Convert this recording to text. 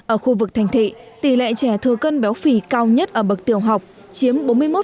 ở khu vực thành thị tỷ lệ trẻ thừa cân béo phì cao nhất ở bậc tiểu học chiếm bốn mươi một